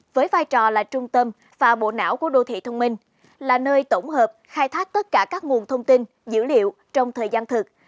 và bộ não của đô thị thông minh là nơi tổng hợp khai thác tất cả các nguồn thông tin dữ liệu trong thời gian thực